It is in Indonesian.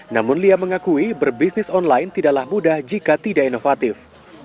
namun lia mengakui berbisnis online tidaklah mudah jika tidak inovatif